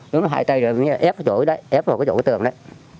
túm bắt hai tay rồi ép vào chỗ đấy ép vào chỗ cái tường đấy